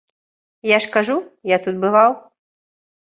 Я ж кажу, я тут бываў.